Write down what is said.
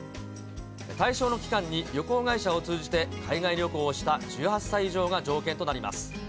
対象の期間に旅行会社を通じて海外旅行をした１８歳以上が条件となります。